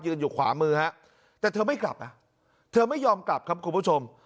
อยู่ขวามือฮะแต่เธอไม่กลับอ่ะเธอไม่ยอมกลับครับคุณผู้ชม